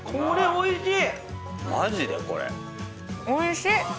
おいしい！